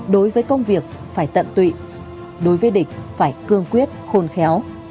đối với công việc phải tận tụy đối với địch phải cương quyết khôn khéo